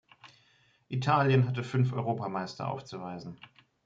Italien hatte fünf Europameister aufzuweisen.